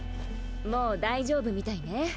もう大丈夫みたいね。